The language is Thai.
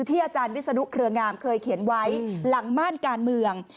อาจารย์วิศนุเครืองามเคยเขียนไว้หลังม่านการเมือง